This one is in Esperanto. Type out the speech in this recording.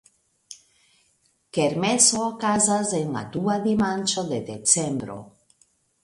Kermeso okazas en la dua dimanĉo de decembro.